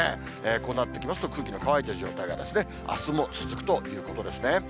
こうなってきますと空気の乾いてる状態があすも続くということですね。